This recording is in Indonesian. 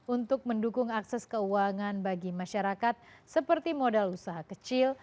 untuk mendukung akses keuangan bagi masyarakat seperti modal usaha kecil